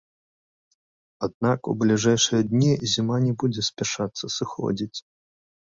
Аднак у бліжэйшыя дні зіма не будзе спяшацца сыходзіць.